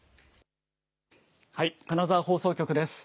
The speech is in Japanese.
金沢放送局です。